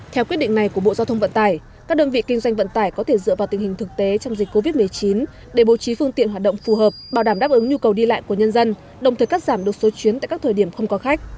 theo quyết định này của bộ giao thông vận tải các đơn vị kinh doanh vận tải có thể dựa vào tình hình thực tế trong dịch covid một mươi chín để bố trí phương tiện hoạt động phù hợp bảo đảm đáp ứng nhu cầu đi lại của nhân dân đồng thời cắt giảm đột số chuyến tại các thời điểm không có khách